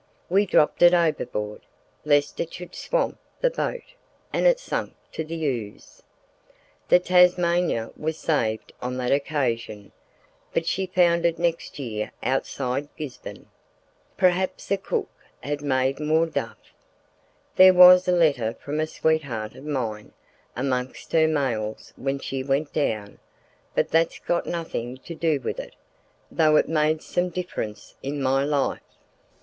We dropped it overboard, lest it should swamp the boat—and it sank to the ooze. The Tasmania was saved on that occasion, but she foundered next year outside Gisborne. Perhaps the cook had made more duff. There was a letter from a sweetheart of mine amongst her mails when she went down; but that's got nothing to do with it, though it made some difference in my life.